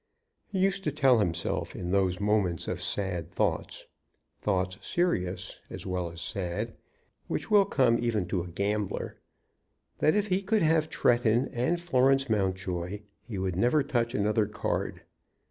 He used to tell himself, in those moments of sad thoughts, thoughts serious as well as sad, which will come even to a gambler, that if he could have Tretton and Florence Mountjoy he would never touch another card.